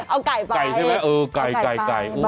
เอาไก่ไปเอาไก่ไปบ้าบ้าไก่ใช่ไหมเออไก่